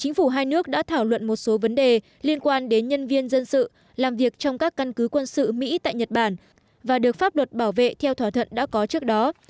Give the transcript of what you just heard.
chính phủ hai nước đã thảo luận một số vấn đề liên quan đến nhân viên dân sự làm việc trong các căn cứ quân sự mỹ tại nhật bản và được pháp luật bảo vệ theo thỏa thuận đã có trước đó